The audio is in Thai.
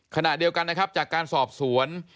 ขณะเดียวกันนะครับจากการสอบสวน